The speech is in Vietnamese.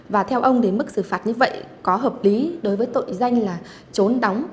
và theo ông thì mức xử phạt như vậy có hợp lý đối với tội danh là trốn đóng